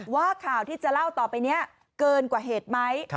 ว่าข่าวที่จะเล่าต่อไปนี้เกินกว่าเหตุไหม